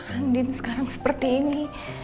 andien sekarang seperti ini